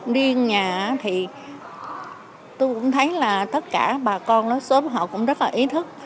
riêng nhà thì tôi cũng thấy là tất cả bà con lớp số họ cũng rất là ý thức